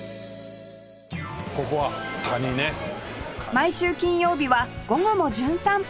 毎週金曜日は『午後もじゅん散歩』